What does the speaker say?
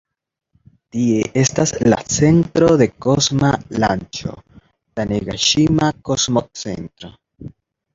Tie estas la centro de kosma lanĉo Tanegaŝima-Kosmocentro.